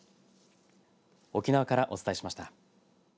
沖縄からお伝えしました。